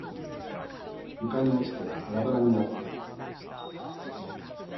床に落ちてバラバラになった。